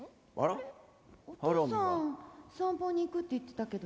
お父さん散歩に行くって言ってたけど。